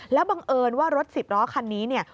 แล้วบังเอิญว่ารถสิบล้อคันนี้เนี่ย